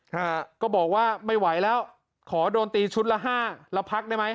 ฮะก็บอกว่าไม่ไหวแล้วขอโดนตีชุดละห้าละพักได้ไหม